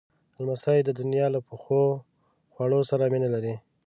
لمسی د نیا له پخو خواړو سره مینه لري.